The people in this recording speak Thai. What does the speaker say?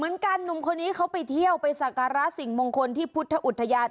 หนุ่มคนนี้เขาไปเที่ยวไปสักการะสิ่งมงคลที่พุทธอุทยาน